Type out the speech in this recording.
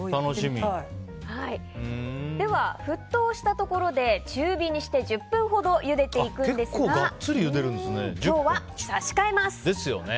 では、沸騰したところで中火にして１０分ほどゆでていくんですがですよね。